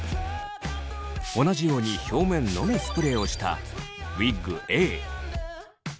同じように表面のみスプレーをしたウィッグＡ。